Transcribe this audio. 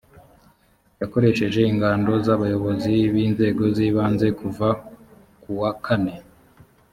yakoresheje ingando z abayobozi b inzego z ibanze kuva ku wa kane